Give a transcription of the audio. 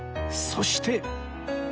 そして